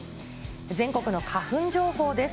全国の花粉情報です。